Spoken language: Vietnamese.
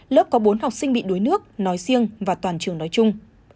lớp có bốn học sinh bị đuối nước nói riêng và toàn trường nói chung